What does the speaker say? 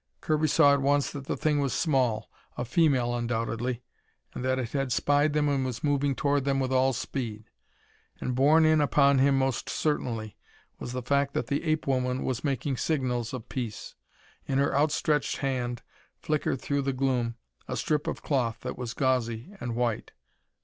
Kirby saw at once that the thing was small a female undoubtedly and that it had spied them and was moving toward them with all speed. And borne in upon him most certainly was the fact that the ape woman was making signals of peace. In her outstretched hand flickered through the gloom a strip of cloth that was gauzy and white.